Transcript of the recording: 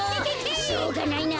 しょうがないな。